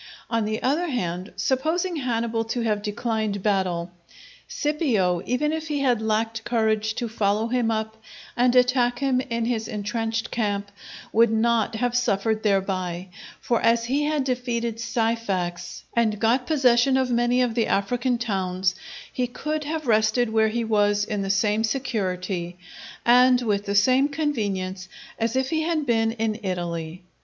On the other hand, supposing Hannibal to have declined battle, Scipio, even if he had lacked courage to follow him up and attack him in his intrenched camp, would not have suffered thereby; for as he had defeated Syphax, and got possession of many of the African towns, he could have rested where he was in the same security and with the same convenience as if he had been in Italy.